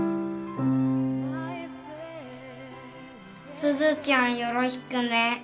すずちゃんよろしくね。